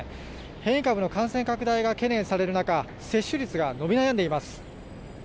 変異株の感染拡大が懸念される中接種率が伸び悩んでいます。